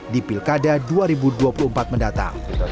di pilkada dua ribu dua puluh empat mendatang